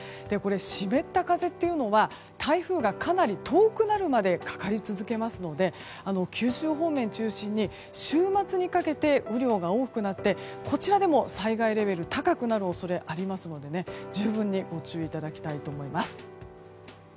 湿った風というのは台風がかなり遠くなるまでかかり続けますので九州方面中心に週末にかけて雨量が多くなって、こちらでも災害レベルが高くなる恐れがありますので十分にご注意いただきたいと思います。